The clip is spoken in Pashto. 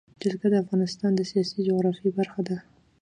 جلګه د افغانستان د سیاسي جغرافیه برخه ده.